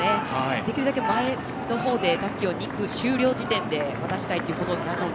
できるだけ前のほうでたすきを２区終了時点で渡したいということなので。